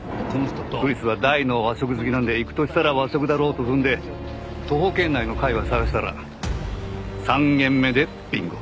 クリスは大の和食好きなので行くとしたら和食だろうと踏んで徒歩圏内の界隈探したら３軒目でビンゴ！